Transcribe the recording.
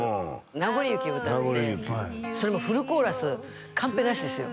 「なごり雪」を歌ってそれもフルコーラスカンペなしですよ